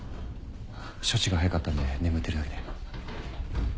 処置が早かったんで眠ってるだけで。